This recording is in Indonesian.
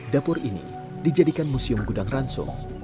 dapur ini dijadikan museum gudang ranso